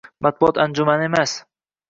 Matbuot anjumani emas